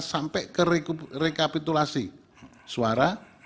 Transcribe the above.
sampai ke rekapitulasi suara